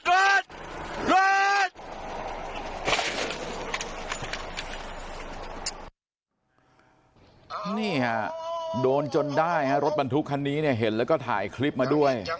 โดนจนได้ทรงนักธนาฬิการอสพันธุครั้งนี้นี่เห็นแล้วก็ถ่ายคลิปมาด้วย